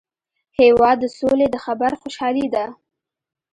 هېواد د سولي د خبر خوشالي ده.